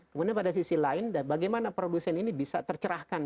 kemudian pada sisi lain bagaimana produsen ini bisa tercerahkan